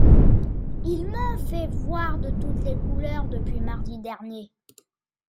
Il m'en fait voir de toutes les couleurs depuis mardi dernier.